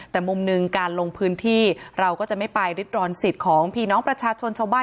แต่มุมหนึ่งการลงพื้นที่เราก็จะไม่ไปริดรอนสิทธิ์ของพี่น้องประชาชนชาวบ้าน